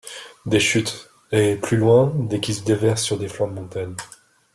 Des chutes, et plus loin des qui se déversent sur des flancs de montagnes.